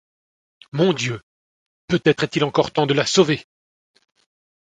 Mon Dieu! peut-être est-il encore temps de la sauver !